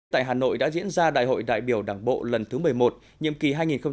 tại hà nội đã diễn ra đại hội đại biểu đảng bộ lần thứ một mươi một nhiệm kỳ hai nghìn hai mươi hai nghìn hai mươi năm